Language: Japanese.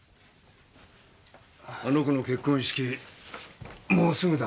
あの子の結婚式もうすぐだな。